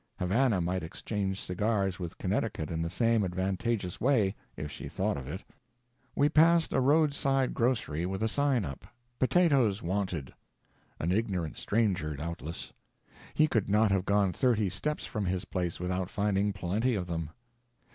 Havana might exchange cigars with Connecticut in the same advantageous way, if she thought of it. We passed a roadside grocery with a sign up, "Potatoes Wanted." An ignorant stranger, doubtless. He could not have gone thirty steps from his place without finding plenty of them.